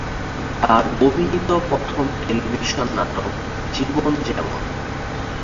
তার অভিনীত প্রথম টেলিভিশন নাটক "জীবন যেমন"।